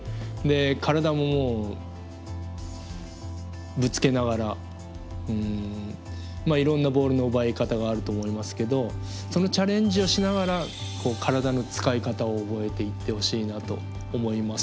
体ももうぶつけながらいろんなボールの奪い方があると思いますけどそのチャレンジをしながら体の使い方を覚えていってほしいなと思います。